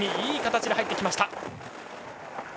いい形で入ってきました。